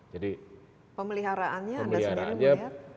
jadi pemeliharaannya anda sendiri melihat